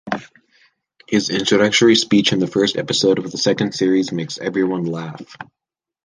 His introductory speech in the first episode of the second series makes everyone laugh.